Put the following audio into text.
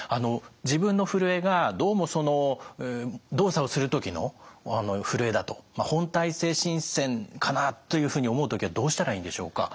自分のふるえがどうもその動作をする時のふるえだと本態性振戦かなというふうに思う時はどうしたらいいんでしょうか。